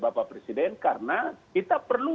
bapak presiden karena kita perlu